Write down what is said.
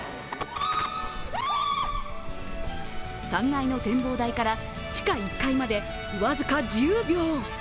３階の展望台から地下１階まで、わずか１０秒。